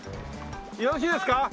よろしいですか？